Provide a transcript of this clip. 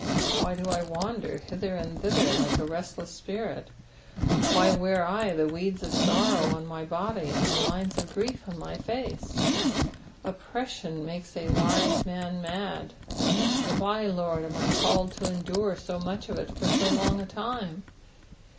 Why do I wander hither and thither like a restless spirit f Why wear I the weeds of sorrow on my body, and the lines of grief on my face i Oppression makes a wise man mad ; wh^, Lord, am I called to endure so much of it for ao long a time